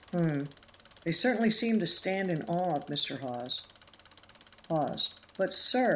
"Hum! they certainly seem to stand in awe of Mr. Hawes." Hawes. "But, sir!